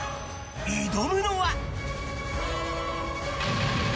挑むのは。